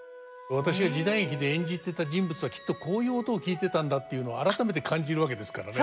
私は時代劇で演じてた人物はきっとこういう音を聴いてたんだっていうのを改めて感じるわけですからね。